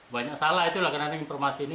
banyak salah itulah karena ada informasi ini